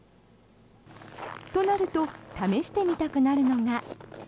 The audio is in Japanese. となると試してみたくなるのが。